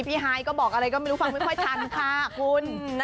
พี่ฮายก็บอกอะไรที่ฟังไม่ค่อยทันค่ะคุณ